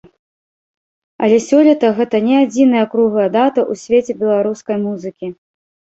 Але сёлета гэта не адзіная круглая дата ў свеце беларускай музыкі.